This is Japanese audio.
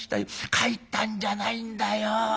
帰ったんじゃないんだよ。